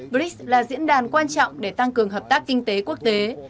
brics là diễn đàn quan trọng để tăng cường hợp tác kinh tế quốc tế